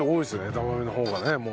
枝豆の方がねもう。